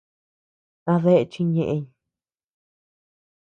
¿A dae chiñeʼeñ?